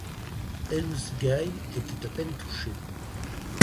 Helmsgail était à peine touché.